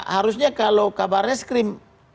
harusnya kalau kabarnya skrim